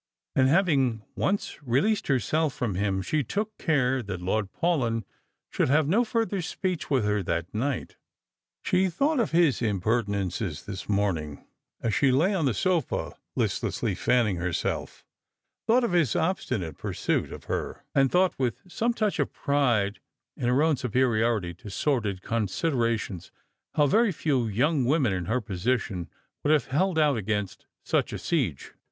And having once released herself from him, she took care that Lord Paulyn should have no farther speech with her that night. She thought of his impertinences this morning, as she lay on the sofa listlessly fanning herself; thought of his obstinate pur suit of her; and thought — with some touch of pride in her own superiority to sordid considerations — how very few young women in her position would have held out against such a siege.